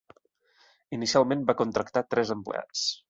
Inicialment va contractar tres empleats.